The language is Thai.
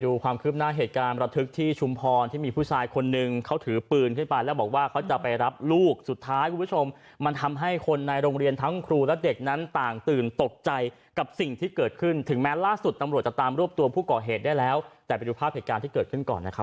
ความคืบหน้าเหตุการณ์ประทึกที่ชุมพรที่มีผู้ชายคนนึงเขาถือปืนขึ้นไปแล้วบอกว่าเขาจะไปรับลูกสุดท้ายคุณผู้ชมมันทำให้คนในโรงเรียนทั้งครูและเด็กนั้นต่างตื่นตกใจกับสิ่งที่เกิดขึ้นถึงแม้ล่าสุดตำรวจจะตามรวบตัวผู้ก่อเหตุได้แล้วแต่ไปดูภาพเหตุการณ์ที่เกิดขึ้นก่อนนะครับ